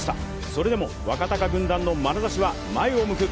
それでも若鷹軍団のまなざしは前を向く。